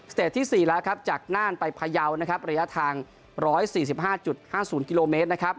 สเตจที่๔แล้วจากน่านไปพะเยาะระยะทาง๑๔๕๕๐กิโลเมตร